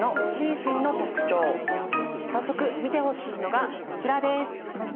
早速見てほしいのがこちらです。